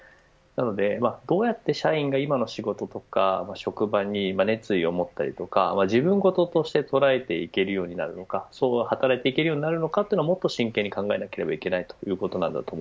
なので、どうやって社員が今の仕事とか職場に熱意を持ったりとか自分事として捉えていけるようになるのか働いていけるようになるのかをもっと真剣に考えなければいけません。